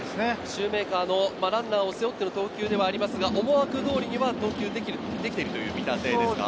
シューメーカーのランナーを背負っての投球ですが、思惑通りには投球できているという見立てですか？